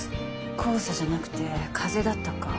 黄砂じゃなくて風だったか。